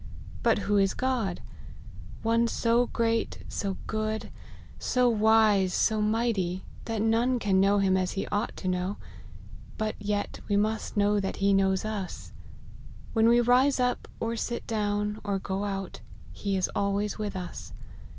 But who is God ? One so great, so good, so wise, so mighty, that none can L2 126 LIFE OF HENRY MARTYN. know him as he ought to know : but yet we must know that he knows us. When we rise up, or sit down, or go out, he is always with us.